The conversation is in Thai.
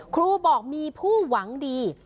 ครูบอกมีผู้หวังดี